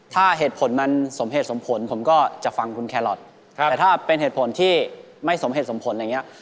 ถ้าเหตุผลมันสมเหตุสมผลผมก็จะฟังคุณแครอทแต่ถ้าเป็นเหตุผลที่ไม่สมเหตุสมผลอะไรอย่างนี้